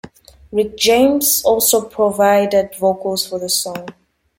Rick James also provided vocals for the song.